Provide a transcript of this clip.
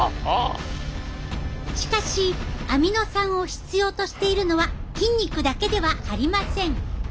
しかしアミノ酸を必要としているのは筋肉だけではありません。